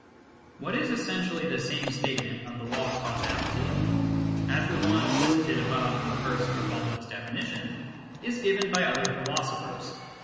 What is essentially the same statement of the law of causality as the one elicited above from the first of Baldwin s definitions is given by other philosophers.